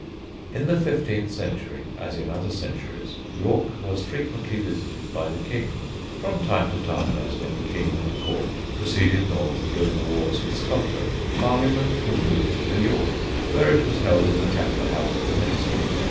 In the fifteenth century, as in other centuries, York was frequently visited by the King. From time to time, as when the King and Court proceeded north during the wars with Scotland, Parliament was moved to York, where it was held in the Chapter House of the Minster.